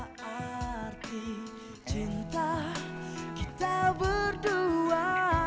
arti cinta kita berdua